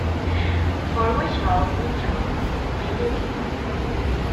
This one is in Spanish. For we shall win through, no matter the cost.